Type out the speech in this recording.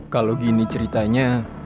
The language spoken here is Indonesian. kalau gini ceritanya